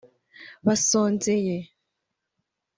basonzeye